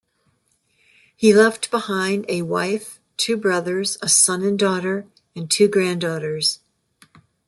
He left behind a wife, two brothers, a son and daughter, and two granddaughters.